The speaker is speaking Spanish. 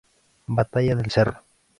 Batalla del Cerro.